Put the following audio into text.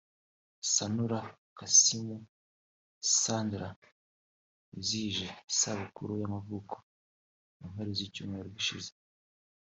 Sanura Kassim ’Sandra’ wizihije isabukuru y’amavuko mu mpera z’icyumweru gishize